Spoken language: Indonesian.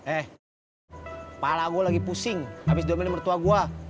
eh kepala gue lagi pusing habis dua minit bertuah gue